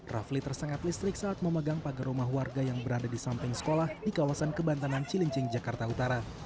rafli tersengat listrik saat memegang pagar rumah warga yang berada di samping sekolah di kawasan kebantanan cilincing jakarta utara